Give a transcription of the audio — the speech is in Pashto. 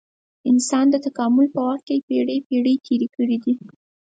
انسان د تکامل په وخت کې پېړۍ پېړۍ تېرې کړې دي.